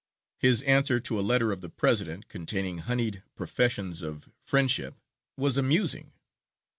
His answer to a letter of the President, containing honeyed professions of friendship, was amusing.